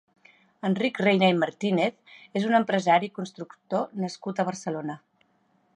Enric Reyna i Martínez és un empresari i constructor nascut a Barcelona.